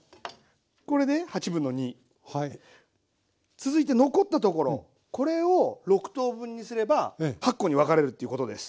続いて残ったところこれを６等分にすれば８個に分かれるっていうことです。